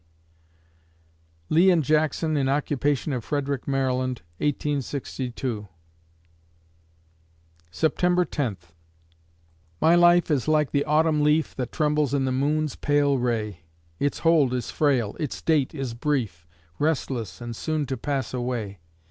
Lee and Jackson in occupation of Frederick, Md., 1862 September Tenth My life is like the autumn leaf That trembles in the moon's pale ray; Its hold is frail, its date is brief, Restless, and soon to pass away!